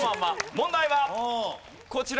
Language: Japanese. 問題はこちら。